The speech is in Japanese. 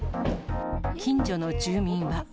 近所の住民は。